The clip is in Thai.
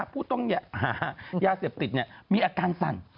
ผู้ต้องหายาเสพติดมีอาการสั่น